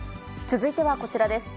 続いてはこちらです。